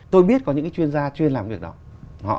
tôi biết có những cái chuyên gia chuyên làm việc đó